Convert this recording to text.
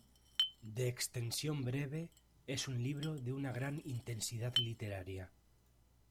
De extensión breve, es un libro de una gran intensidad literaria.